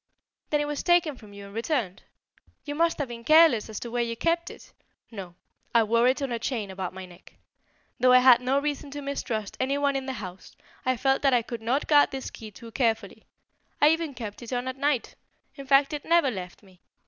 "Then it was taken from you and returned? You must have been careless as to where you kept it " "No, I wore it on a chain about my neck. Though I had no reason to mistrust any one in the house, I felt that I could not guard this key too carefully. I even kept it on at night. In fact it never left me.